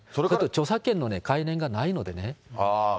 著作権の概念がないのでね。